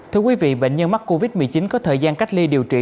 thưa quý vị bệnh nhân mắc covid một mươi chín có thời gian cách ly điều trị